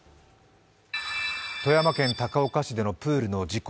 富山県高岡市でのプールの事故。